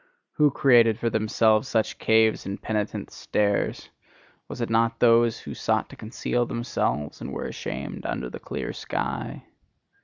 Who created for themselves such caves and penitence stairs? Was it not those who sought to conceal themselves, and were ashamed under the clear sky?